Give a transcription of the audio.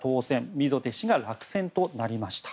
溝手氏が落選となりました。